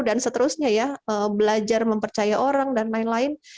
dan seterusnya ya belajar mempercaya orang dan lain lain